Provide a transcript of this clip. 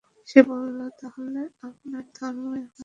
সে বলল, তাহলে আপনার ধর্মই আমার ধর্ম।